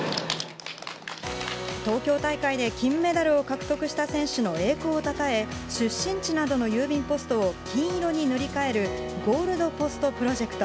東京大会で金メダルを獲得した選手の栄光をたたえ、出身地などの郵便ポストを金色に塗り替える、ゴールドポストプロジェクト。